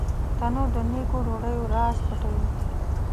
تنور د نیکو ډوډیو راز پټوي